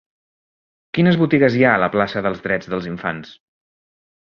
Quines botigues hi ha a la plaça dels Drets dels Infants?